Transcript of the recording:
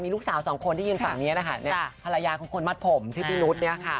มีลูกสาวสองคนที่ยืนฝั่งเนี่ยนะคะเนี่ย